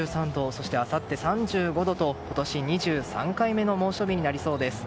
そしてあさっては３５度と今年２３回目の猛暑日になりそうです。